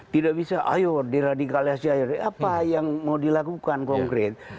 tidak bisa ayo diradikalisasi apa yang mau dilakukan konkret